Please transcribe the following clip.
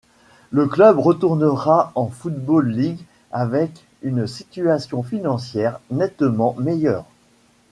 Le club retournera en Football League avec une situation financière nettement meilleure.